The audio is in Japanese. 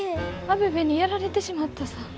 アベベにやられてしまったさぁ。